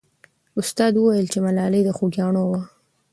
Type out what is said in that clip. استاد وویل چې ملالۍ د خوګیاڼیو وه.